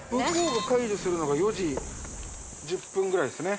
解除するのが４時１０分くらいですね。